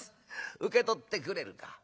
「受け取ってくれるか。